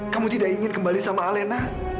kamu tidak ingin kembali sama alena